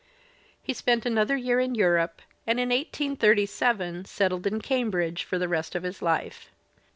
He spent another year in Europe, and in 1837 settled in Cambridge for the rest of His life.